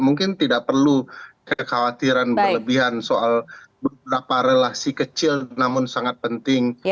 mungkin tidak perlu kekhawatiran berlebihan soal beberapa relasi kecil namun sangat penting